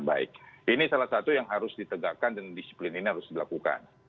jadi ini adalah satu hal yang harus ditegakkan dan disiplin ini harus dilakukan